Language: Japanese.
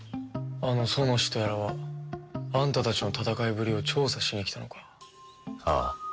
あのソノシとやらはあんたたちの戦いぶりを調査しに来たのか。ああ。